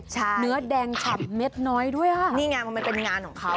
เนื้อแดงฉับเม็ดน้อยด้วยอ่ะนี่ไงมันเป็นงานของเขา